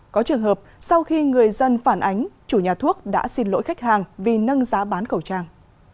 có trường hợp sau khi người dân phản ánh chủ nhà thuốc đã xin lỗi khách hàng vì nâng giá bán khẩu trang